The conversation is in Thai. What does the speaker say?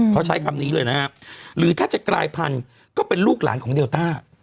เขาใช้คำนี้เลยนะครับหรือถ้าจะกลายพันธุ์ก็เป็นลูกหลานของเดลต้า